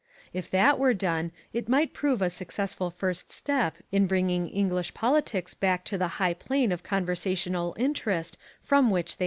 If that were done it might prove a successful first step in bringing English politics back to the high plane of conversational interest from which they are threatening to fall.